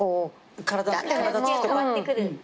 体つきが変わってくる。